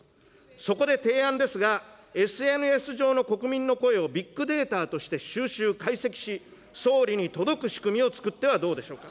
そこで提案ですが、ＳＮＳ上の国民の声をビッグデータとして収集解析し、総理に届く仕組みをつくってはどうでしょうか。